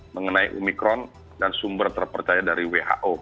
mengenai omikron dan sumber terpercaya dari who